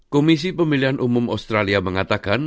komisi pemilihan umum australia mengatakan